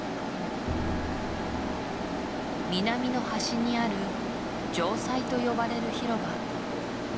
南の端にある城塞と呼ばれる広場